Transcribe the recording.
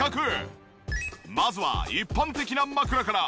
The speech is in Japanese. まずは一般的な枕から。